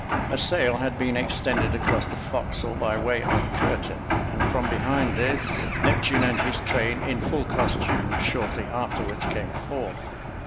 A sail had been extended across the forecastle by way of curtain, and from behind this, Neptune and his train, in full costume, shortly afterwards came forth.